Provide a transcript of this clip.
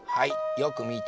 よくみた。